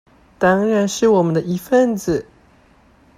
當然是我們的一分子